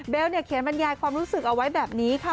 เขียนบรรยายความรู้สึกเอาไว้แบบนี้ค่ะ